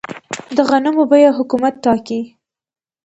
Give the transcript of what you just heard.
د غنمو بیه حکومت ټاکي؟